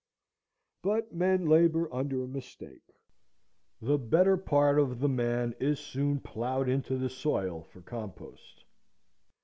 But men labor under a mistake. The better part of the man is soon plowed into the soil for compost.